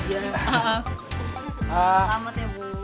kamu selamat ya bu